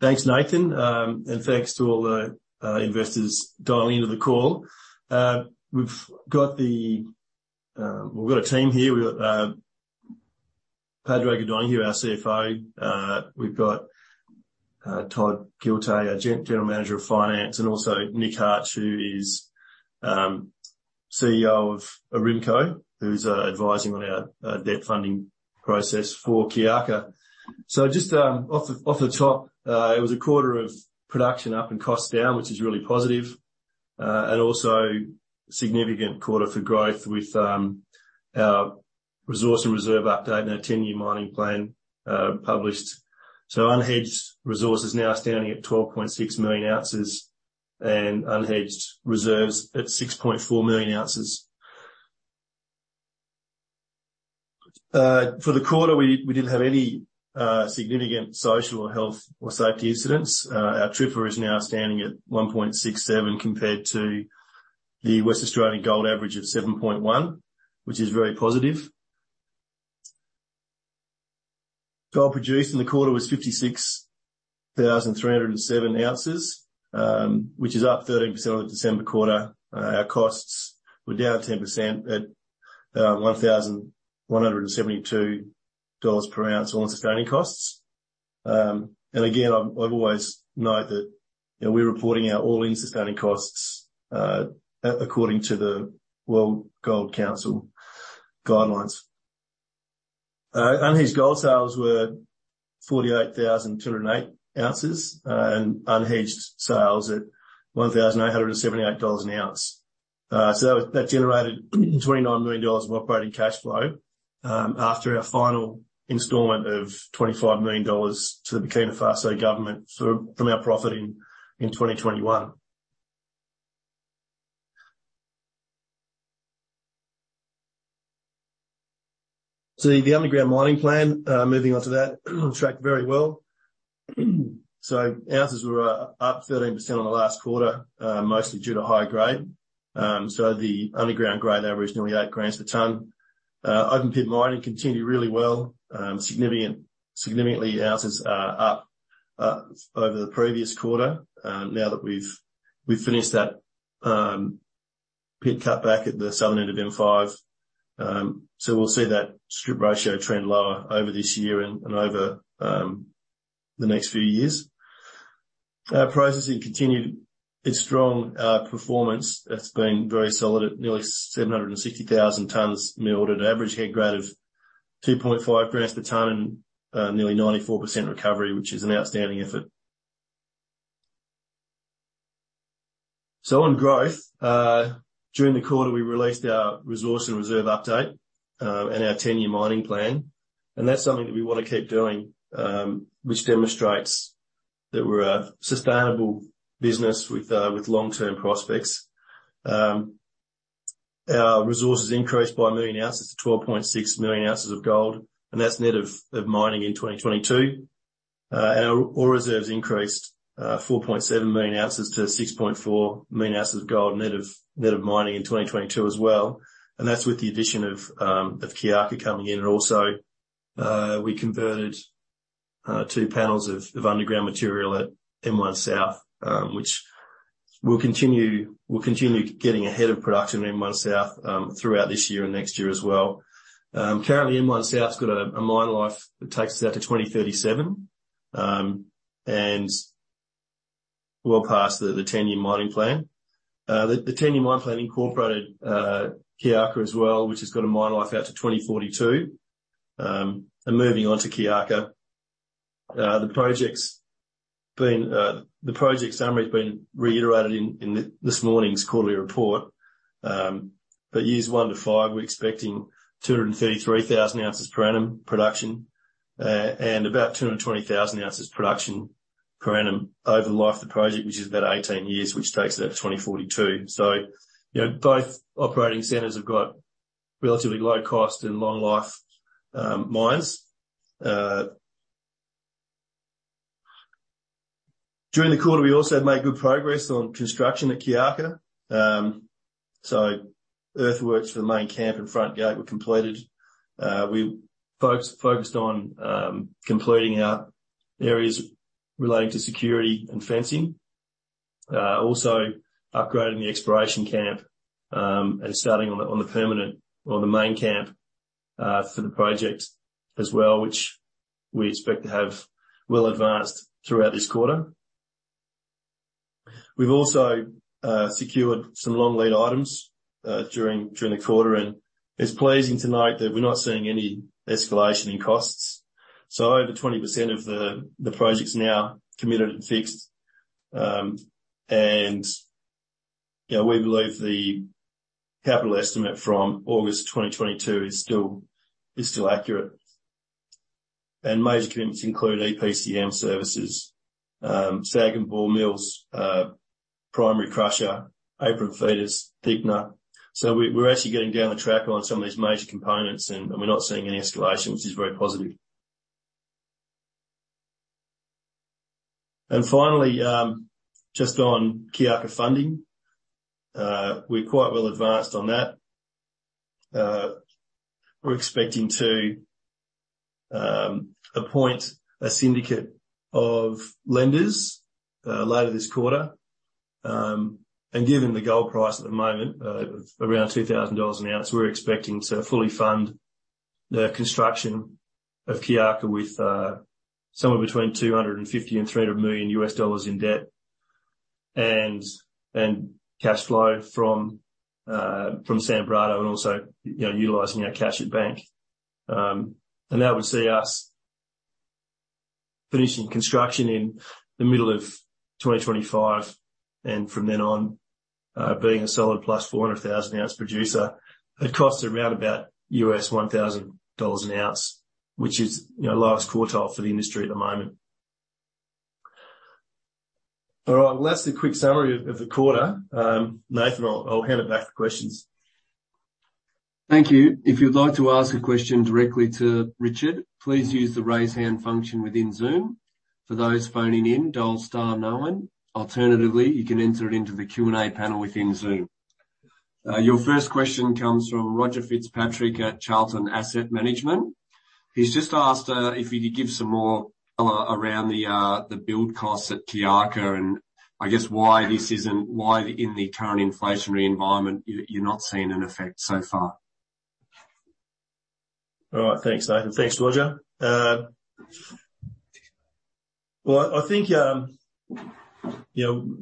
Thanks, Nathan. And thanks to all the investors dialing into the call. We've got a team here. We've got Padraig O'Dowd here, our CFO. We've got Todd Giltay, our General Manager of Finance, and also Nick Hart, who is CEO of Aruma, who's advising on our debt funding process for Kiaka. Just, off the, off the top, it was a quarter of production up and costs down, which is really positive. Also significant quarter for growth with our resource and reserve update and our 10-year mining plan, published. unhedged resources now standing at 12.6 million ounces and unhedged reserves at 6.4 million ounces. For the quarter, we didn't have any significant social or health or safety incidents. Our TRIFR is now standing at 1.67 compared to the West Australian gold average of 7.1, which is very positive. Gold produced in the quarter was 56,307 ounces, which is up 13% on the December quarter. Our costs were down 10% at 1,172 dollars per ounce on sustaining costs. Again, I've always note that, you know, we're reporting our all-in sustaining costs according to the World Gold Council guidelines. Unhedged gold sales were 48,208 ounces, and unhedged sales at 1,878 dollars an ounce. That generated 29 million dollars of operating cash flow, after our final installment of 25 million dollars to the Burkina Faso government from our profit in 2021. The underground mining plan, moving on to that, tracked very well. Ounces were up 13% on the last quarter, mostly due to higher grade. The underground grade average nearly 8,000 per tonne. Open pit mining continued really well, significantly ounces are up over the previous quarter. We've finished that pit cutback at the southern end of M5. We'll see that strip ratio trend lower over this year and over the next few years. Our processing continued its strong performance. It's been very solid at nearly 760,000 tonnes milled at an average head grade of 2,500 per tonne and nearly 94% recovery, which is an outstanding effort. On growth, during the quarter, we released our resource and reserve update and our 10-year mining plan. That's something that we want to keep doing, which demonstrates that we're a sustainable business with long-term prospects. Our resources increased by 1 million ounces to 12.6 million ounces of gold, and that's net of mining in 2022. Our Ore Reserves increased 4.7 million ounces to 6.4 million ounces of gold net of mining in 2022 as well. That's with the addition of Kiaka coming in. Also, we converted two panels of underground material at M1 South, which we'll continue getting ahead of production in M1 South throughout this year and next year as well. Currently M1 South's got a mine life that takes us out to 2037, and well past the 10-year mining plan. The 10-year mine plan incorporated Kiaka as well, which has got a mine life out to 2042. Moving on to Kiaka. The project's been, the project summary's been reiterated in this morning's quarterly report. Years 1-5, we're expecting 233,000 ounces per annum production, and about 220,000 ounces production per annum over the life of the project, which is about 18 years, which takes it out to 2042. You know, both operating centers have got relatively low cost and long life mines. During the quarter, we also made good progress on construction at Kiaka. Earthworks for the main camp and front gate were completed. We focused on completing our areas relating to security and fencing. Upgrading the exploration camp, and starting on the permanent or the main camp for the project as well, which we expect to have well advanced throughout this quarter. We've also secured some long lead items during the quarter, it's pleasing to note that we're not seeing any escalation in costs. Over 20% of the project's now committed and fixed. You know, we believe the capital estimate from August 2022 is still accurate. Major commitments include EPCM services, SAG and ball mills, primary crusher, apron feeders, thickener. We're actually getting down the track on some of these major components and we're not seeing any escalation, which is very positive. Finally, just on Kiaka funding. We're quite well advanced on that. We're expecting to appoint a syndicate of lenders later this quarter. Given the gold price at the moment, around 2,000 dollars an ounce, we're expecting to fully fund the construction of Kiaka with somewhere between $250 million and $300 million in debt and cash flow from Sanbrado and also, you know, utilizing our cash at bank. That would see us finishing construction in the middle of 2025, and from then on, being a solid plus 400,000 ounce producer at costs around about $1,000 an ounce, which is, you know, last quartile for the industry at the moment. All right. Well, that's the quick summary of the quarter. Nathan, I'll hand it back for questions. Thank you. If you'd like to ask a question directly to Richard, please use the raise hand function within Zoom. For those phoning in, dial star-[microsoft]. Alternatively, you can enter it into the Q&A panel within Zoom. Your first question comes from Roger Fitzpatrick at Charlton Asset Management. He's just asked, if you could give some more color around the build costs at Kiaka, and I guess why in the current inflationary environment you're not seeing an effect so far. All right. Thanks, Nathan. Thanks, Roger. Well, I think, you know,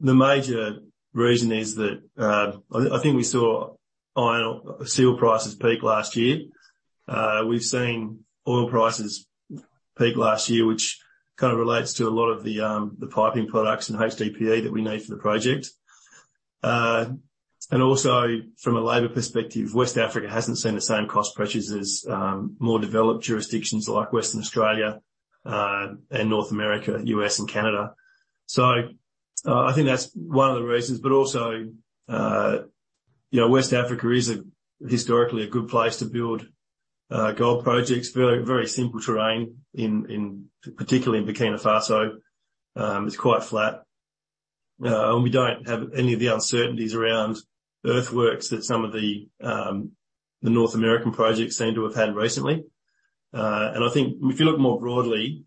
the major reason is that, I think we saw steel prices peak last year. We've seen oil prices peak last year, which kind of relates to a lot of the piping products and HDPE that we need for the project. Also from a labor perspective, West Africa hasn't seen the same cost pressures as more developed jurisdictions like Western Australia, and North America, US and Canada. I think that's one of the reasons, but also, you know, West Africa is a historically a good place to build gold projects. Very, very simple terrain in particularly in Burkina Faso. It's quite flat. We don't have any of the uncertainties around earthworks that some of the North American projects seem to have had recently. I think if you look more broadly,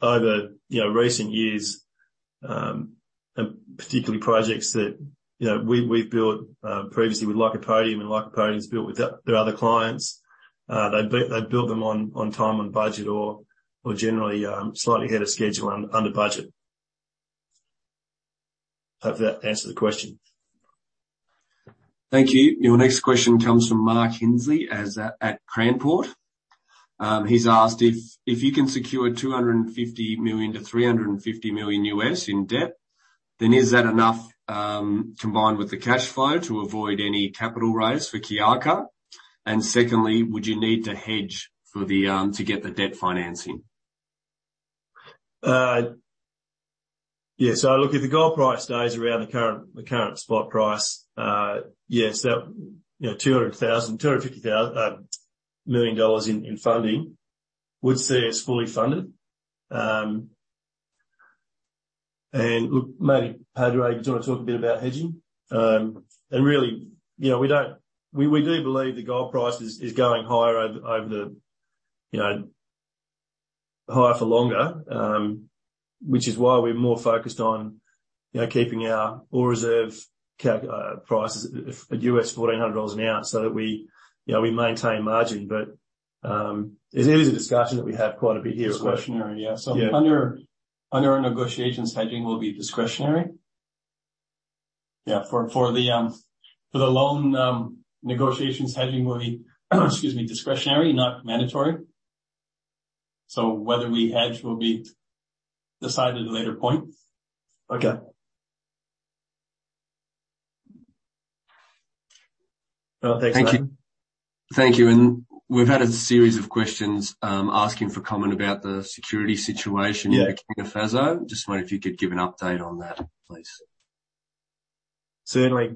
over, you know, recent years, and particularly projects that, you know, we've built, previously with like a podium and like a podiums built with their other clients, they'd build them on time and budget or generally, slightly ahead of schedule, under budget. Hope that answered the question. Thank you. Your next question comes from Mark Hinsley at Cranport. He's asked if you can secure $250-350 million in debt, then is that enough combined with the cash flow to avoid any capital raise for Kiaka? Secondly, would you need to hedge for the to get the debt financing? Yeah. Look, if the gold price stays around the current spot price, yes, that, you know, 200,000 million dollars, 250,000 million dollars in funding would see us fully funded. And look, maybe Padre, do you want to talk a bit about hedging? And really, you know, we do believe the gold price is going higher over the, over the, you know, higher for longer, which is why we're more focused on, you know, keeping our Ore Reserve calc prices at $1,400 an ounce so that we, you know, we maintain margin. It is a discussion that we have quite a bit here. Discretionary, yeah. Yeah. Under our negotiations, hedging will be discretionary. Yeah. For the, for the loan, negotiations, hedging will be, excuse me, discretionary, not mandatory. Whether we hedge will be decided at a later point. Okay. Well, thanks, Nathan. Thank you. Thank you. We've had a series of questions, asking for comment about the security situation. Yeah. in Burkina Faso. Just wondering if you could give an update on that, please. Certainly.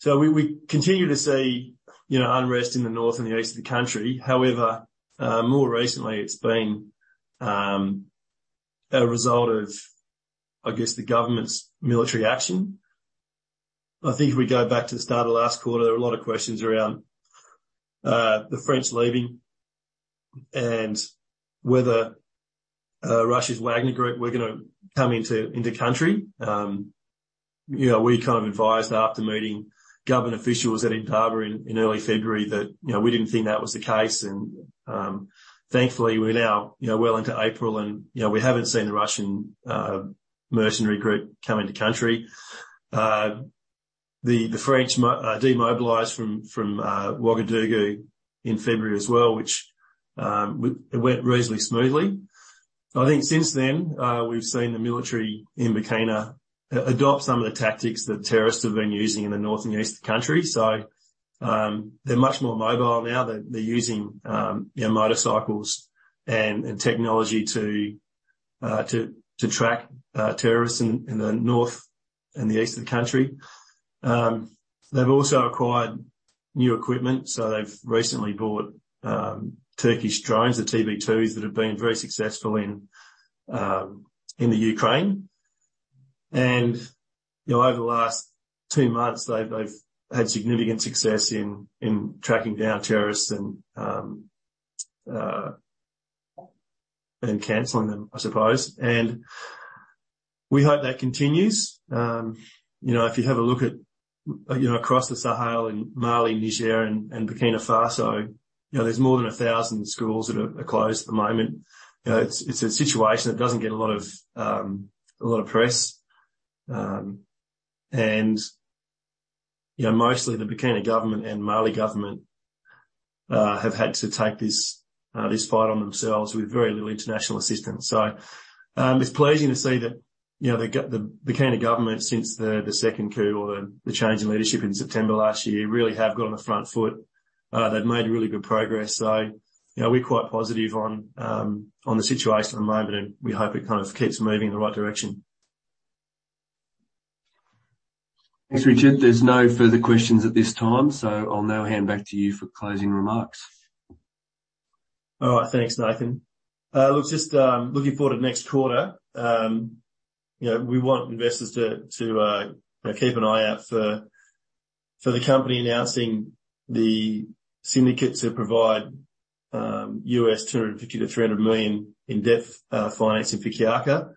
We continue to see, you know, unrest in the north and the east of the country. More recently it's been a result of, I guess, the government's military action. I think if we go back to the start of last quarter, there were a lot of questions around the French leaving and whether Russia's Wagner Group were gonna come into country. You know, we kind of advised after meeting government officials at Indaba in early February that, you know, we didn't think that was the case. Thankfully, we're now, you know, well into April and, you know, we haven't seen a Russian mercenary group come into country. The French demobilized from Ouagadougou in February as well, which it went reasonably smoothly. I think since then, we've seen the military in Burkina adopt some of the tactics that terrorists have been using in the north and east of the country. They're much more mobile now. They're using, you know, motorcycles and technology to track terrorists in the north and the east of the country. They've also acquired new equipment. They've recently bought Turkish drones, the TB2s, that have been very successful in the Ukraine. You know, over the last two months they've had significant success in tracking down terrorists and canceling them, I suppose. We hope that continues. You know, if you have a look at, you know, across the Sahel in Mali, Niger and Burkina Faso, you know, there's more than 1,000 schools that are closed at the moment. You know, it's a situation that doesn't get a lot of press. You know, mostly the Burkinabe government and Mali government have had to take this fight on themselves with very little international assistance. It's pleasing to see that, you know, the Burkinabe government since the second coup or the change in leadership in September last year really have got on the front foot. They've made really good progress. You know, we're quite positive on the situation at the moment, and we hope it kind of keeps moving in the right direction. Thanks, Richard. There's no further questions at this time, so I'll now hand back to you for closing remarks. All right. Thanks, Nathan. Look, looking forward to next quarter. You know, we want investors to keep an eye out for the company announcing the syndicates that provide $250-300 million in debt financing for Kiaka.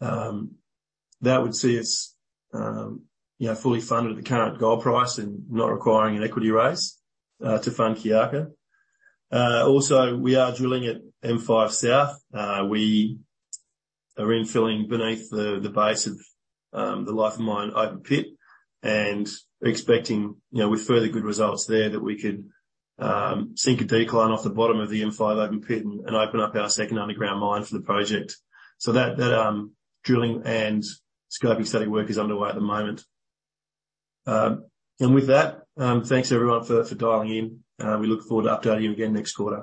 That would see us, you know, fully funded at the current gold price and not requiring an equity raise to fund Kiaka. Also we are drilling at M5 South. We are infilling beneath the base of the life of mine open pit and expecting, you know, with further good results there that we could sink a decline off the bottom of the M5 open pit and open up our second underground mine for the project. That drilling and scoping study work is underway at the moment. With that, thanks everyone for dialing in. We look forward to updating you again next quarter.